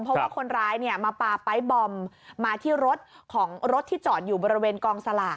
เพราะว่าคนร้ายมาปลาปลายบอมมาที่รถที่จอดอยู่บริเวณกองสลาก